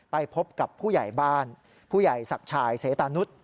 ไปพบกับผู้ใหญ่บ้านผู้ใหญ่ศักดิ์ชายเสตานุษย